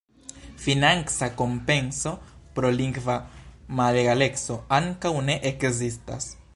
Financa kompenso pro lingva malegaleco ankoraŭ ne ekzistas.